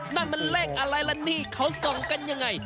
นั่นมันเลขอะไรล่ะนี่เขาส่องกันยังไง